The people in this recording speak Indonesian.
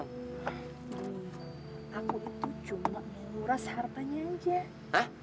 aku itu cuma murah sehartanya aja